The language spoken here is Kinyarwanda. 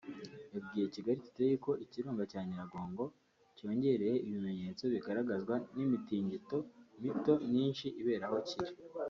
yabwiye Kigali Today ko ikirunga cya Nyiragongo cyongereye ibimenyetso bigaragazwa n’imitingito mito myinshi ibera aho kiri